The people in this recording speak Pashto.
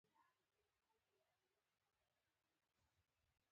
عصري تعلیم مهم دی ځکه چې د آنلاین مشورې امکان ورکوي.